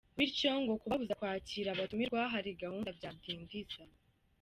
Bityo ngo kubabuza kwakira abatumirwa hari gahunda byadindiza.